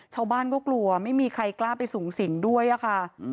ชาวบ้านก็กลัวไม่มีใครกล้าไปสูงสิงด้วยอะค่ะ